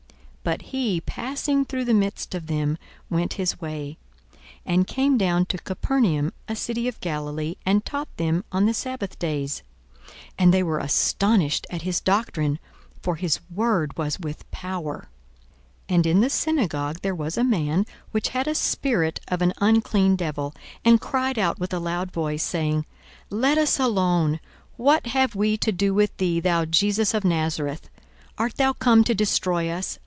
42:004:030 But he passing through the midst of them went his way, 42:004:031 And came down to Capernaum, a city of Galilee, and taught them on the sabbath days. 42:004:032 And they were astonished at his doctrine: for his word was with power. 42:004:033 And in the synagogue there was a man, which had a spirit of an unclean devil, and cried out with a loud voice, 42:004:034 Saying, Let us alone; what have we to do with thee, thou Jesus of Nazareth? art thou come to destroy us?